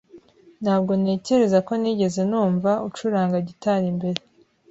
Ntabwo ntekereza ko nigeze numva ucuranga gitari mbere.